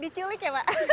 diculik ya pak